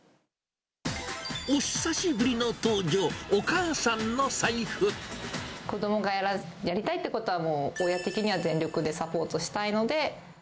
お久しぶりの登場、お母さん子どもがやりたいってことは、もう親的には全力でサポートしたいので。